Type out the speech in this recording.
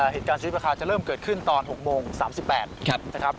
เหตุการณ์สุริยุปราคาจะเริ่มเกิดขึ้นตอน๖โมง๓๘นะครับ